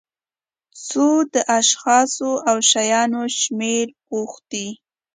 څو د اشخاصو او شیانو شمېر پوښتي.